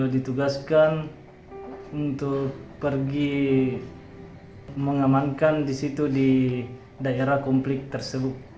ditugaskan untuk pergi mengamankan di situ di daerah konflik tersebut